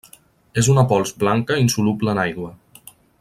És una pols blanca insoluble en aigua.